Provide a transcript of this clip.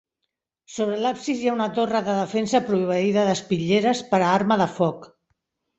Sobre l'absis hi ha una torre de defensa proveïda d'espitlleres per a arma de foc.